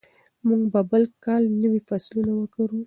موږ به بل کال نوي فصلونه وکرو.